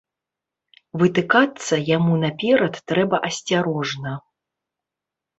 Вытыкацца яму наперад трэба асцярожна.